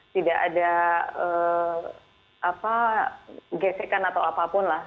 tidak ada gesekan atau apapun lah